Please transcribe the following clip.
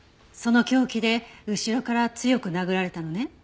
その凶器で後ろから強く殴られたのね？